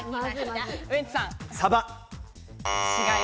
ウエンツさん。